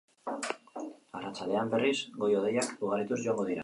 Arratsaldean, berriz, goi-hodeiak ugarituz joango dira.